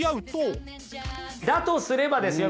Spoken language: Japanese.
だとすればですよ